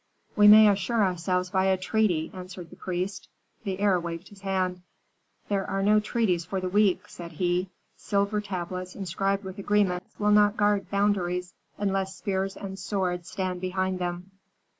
"We may assure ourselves by a treaty," answered the priest. The heir waved his hand. "There are no treaties for the weak!" said he. "Silver tablets inscribed with agreements will not guard boundaries unless spears and swords stand behind them."